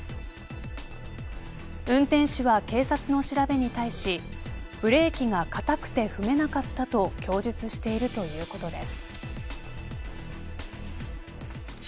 運転手は警察の調べに対しブレーキが硬くて踏めなかったと供述しているということです。